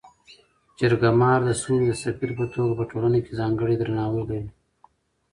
جرګه مار د سولي د سفیر په توګه په ټولنه کي ځانګړی درناوی لري.